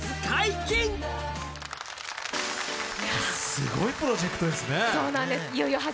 すごいプロジェクトですよね。